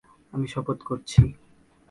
আমি শপথ করছি।